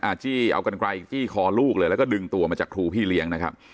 จี้เอากันไกลจี้คอลูกเลยแล้วก็ดึงตัวมาจากครูพี่เลี้ยงนะครับ